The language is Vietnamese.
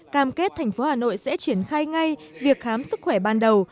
cam kết tp hà nội sẽ triển khai ngay việc khám sức khỏe ban đầu